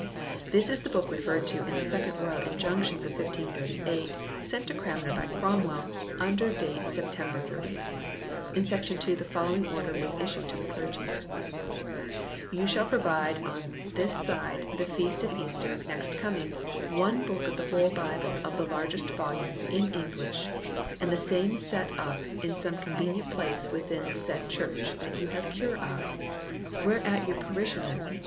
This is the book referred to in the Second Royal Injunctions of 1538, sent to Cranmer by Cromwell under date September 30. In section 2 the following order was issued to the clergy: "You shall provide on this side the feast of Easter next coming, one book of the whole Bible of the largest volume, in English, and the same set up in some convenient place within the said church that you have cure of, whereat your parishioners may THE GREAT BIBLE: 1539 From Mr W.